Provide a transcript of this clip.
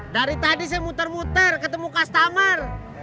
dari tadi saya muter muter ketemu customer